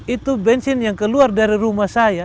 itu bensin yang keluar dari rumah saya